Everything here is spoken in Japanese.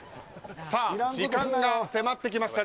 時間が迫ってきました。